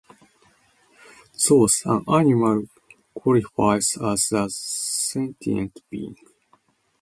Thus, an animal qualifies as a sentient being.